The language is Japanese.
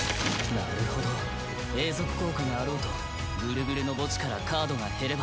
なるほど永続効果があろうとグルグルの墓地からカードが減れば。